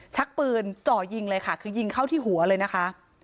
ชักปืนจ่อยิงเลยค่ะคือยิงเข้าที่หัวเลยนะคะ